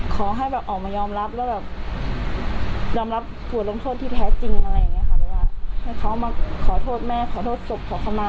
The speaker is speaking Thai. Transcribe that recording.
ขอให้ออกมายอมรับและแบบ